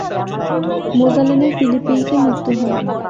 ম্যেজালেনের ফিলিপিন্সে মৃত্যু হয়।